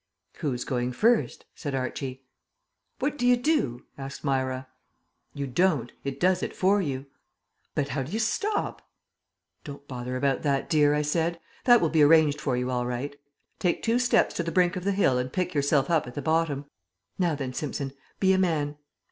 "Who's going first?" said Archie. "What do you do?" asked Myra. "You don't. It does it for you." "But how do you stop?" "Don't bother about that, dear," I said. "That will be arranged for you all right. Take two steps to the brink of the hill and pick yourself up at the bottom. Now then, Simpson! Be a man.